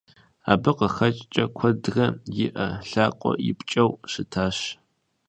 Абы къыхэкӏкӏэ, куэдрэ и ӏэ, лъакъуэ ипкӏэу щытащ.